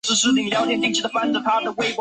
在场上的位置是中前卫或左边锋。